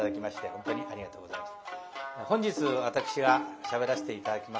本日私がしゃべらせて頂きます